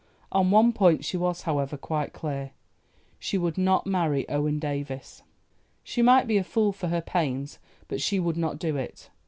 On one point she was, however, quite clear; she would not marry Owen Davies. She might be a fool for her pains, but she would not do it.